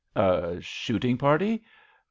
" A shooting party ?